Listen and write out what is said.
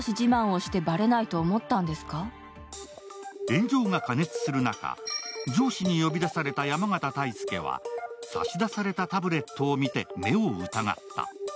炎上が過熱する中、上司に呼び出された山縣泰介は、差し出されたタブレットを見て目を疑った。